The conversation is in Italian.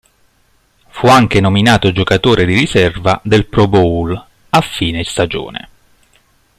Fu anche nominato giocatore di riserva del Pro Bowl a fine stagione.